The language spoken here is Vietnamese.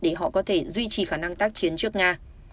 để họ có thể duy trì khả năng tác chiến trước nga